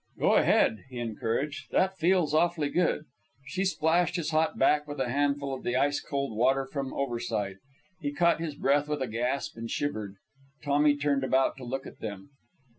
"Go ahead," he encouraged. "That feels awfully good." She splashed his hot back with a handful of the ice cold water from over side. He caught his breath with a gasp, and shivered. Tommy turned about to look at them.